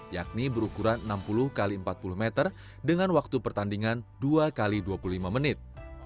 yakni berukuran enam puluh x empat puluh meter dengan waktu pertandingan dua x dua puluh lima menit